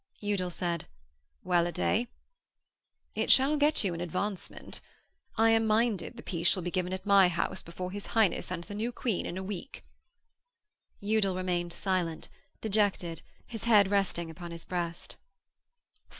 Udal said: 'Well a day!' 'It shall get you advancement. I am minded the piece shall be given at my house before his Highness and the new Queen in a week.' Udal remained silent, dejected, his head resting upon his breast.